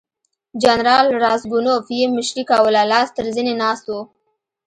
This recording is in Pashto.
جنرال راسګونوف یې مشري کوله لاس تر زنې ناست وو.